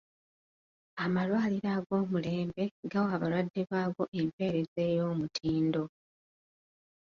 Amalwaliro ag'omulembe gawa abalwadde baago empeereza ey'omutindo.